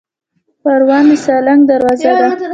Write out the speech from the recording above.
پروان د سالنګ دروازه ده